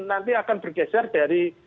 nanti akan bergeser dari